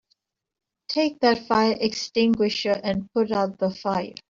Take that fire extinguisher and put out the fire!